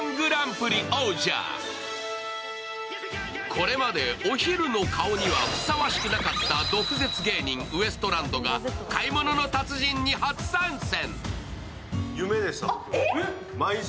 これまで、お昼の顔にはふさわしくなかった毒舌芸人、ウエストランドが「買い物の達人」に初参戦。